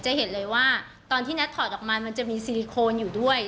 จะเห็นเลยว่าตอนที่แท็ตถอดออกมามันจะมีซิลิโคนอยู่ด้วย